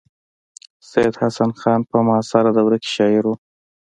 سید حسن خان په معاصره دوره کې شاعر و.